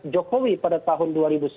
jokowi pada tahun dua ribu sembilan